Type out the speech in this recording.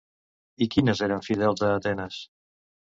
I quines eren fidels a Atenes?